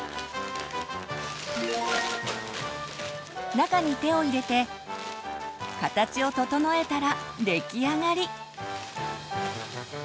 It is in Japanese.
中に手を入れて形を整えたら出来上がり！